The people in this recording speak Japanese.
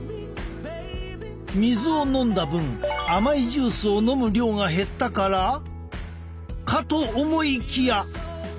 水を飲んだ分甘いジュースを飲む量が減ったから？かと思いきや！